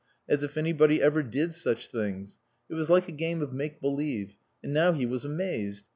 As if anybody ever did such things! It was like a game of make believe. And now he was amazed!